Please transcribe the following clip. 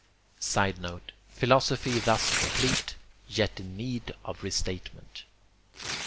[Sidenote: Philosophy thus complete, yet in need of restatement.